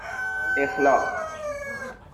اِخلاص